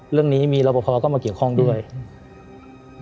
เรื่องนี้มีรอปภเข้ามาเกี่ยวข้องด้วยอืม